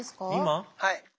はい。